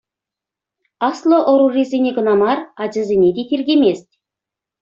Аслӑ ӑрурисене кӑна мар, ачасене те тиркемест.